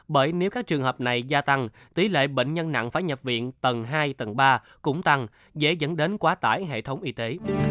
bởi nếu các trường hợp này gia tăng tỷ lệ bệnh nhân nặng phải nhập viện tầng hai tầng ba cũng tăng dễ dẫn đến quá tải hệ thống y tế